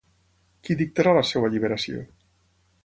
Qui dictarà la seva alliberació?